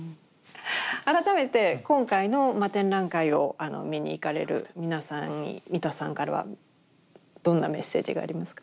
改めて今回の展覧会を見に行かれる皆さんに三田さんからはどんなメッセージがありますか？